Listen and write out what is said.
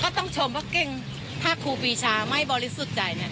ต้องชมเพราะเก้งถ้าครูปีชาไม่บริสุทธิ์ใจเนี่ย